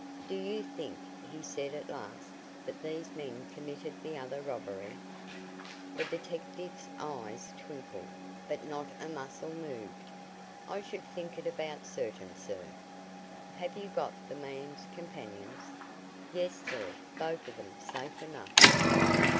"Do you think," he said at last, "that these men committed the other robbery?" The detective's eyes twinkled, but not a muscle moved. "I should think it about certain, sir." "Have you got the man's companions?" "Yes, sir, both of them, safe enough."